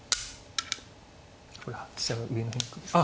これ飛車が上の変化ですね。